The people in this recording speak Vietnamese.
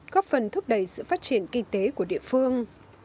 góp phần thúc đẩy sự phát triển kinh tế của địa phương